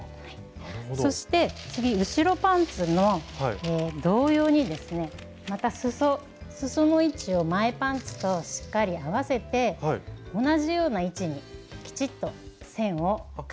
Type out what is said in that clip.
そして次後ろパンツも同様にですねまたすその位置を前パンツとしっかり合わせて同じような位置にきちっと線を描いていきます。